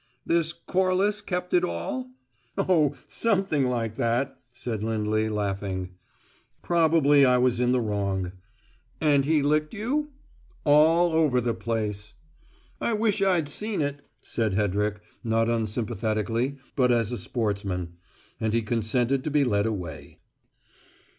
"This Corliss kept it all?" "Oh, something like that," said Lindley, laughing. "Probably I was in the wrong." "And he licked you?" "All over the place!" "I wish I'd seen it," said Hedrick, not unsympathetically, but as a sportsman. And he consented to be led away.